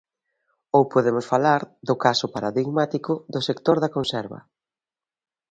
Ou podemos falar do caso paradigmático do sector da conserva.